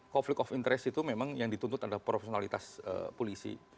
konflik of interest itu memang yang dituntut adalah profesionalitas polisi